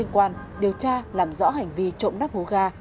quan điều tra làm rõ hành vi trộm nắp hố ga